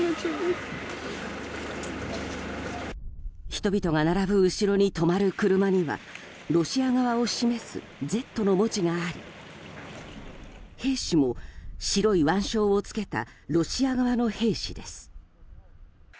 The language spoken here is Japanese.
人々が並ぶ後ろに止まる車にはロシア側を示す「Ｚ」の文字があり兵士も白い腕章を着けたロシア側の兵士です。